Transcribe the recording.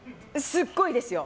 すっごいですよ。